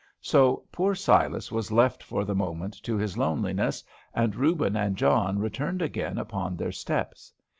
So poor Silas was left for the moment to his loneliness, and Reuben and John returned again upon their steps.